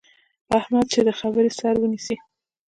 احمد چې د خبرې سر ونیسي،